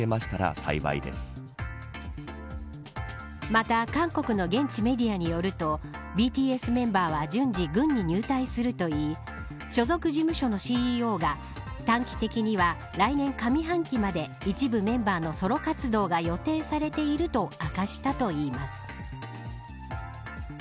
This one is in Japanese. また韓国の現地メディアによるとＢＴＳメンバーは順次、軍に入隊するといい所属事務所のＣＥＯが短期的には来年上半期まで一部メンバーのソロ活動が予定されていると明かしたといいます。